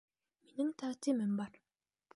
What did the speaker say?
Минең тәҡдимем бар.